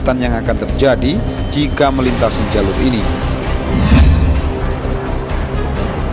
jika tidak perlintasan perlintasan kebawahan mojokerto akan menjadi jalan yang terbaik